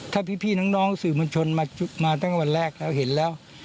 ถ้าพี่น้องสื่อมวลชนมาตั้งแต่วันแรกแล้วเห็นแล้ว